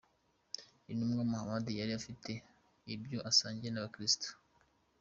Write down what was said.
Intumwa Muhamadi yari afite ibyo asangiye n’Abakirisitu